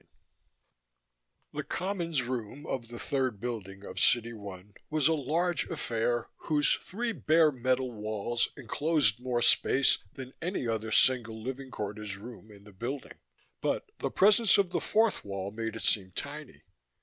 2 The Commons Room of the Third Building of City One was a large affair, whose three bare metal walls enclosed more space than any other single living quarters room in the Building; but the presence of the fourth wall made it seem tiny.